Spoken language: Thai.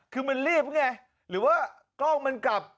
คือมันรีบไงหรือว่ากล้องมันกลับ